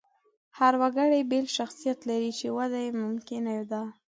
هر وګړی بېل شخصیت لري، چې وده یې ممکنه ده.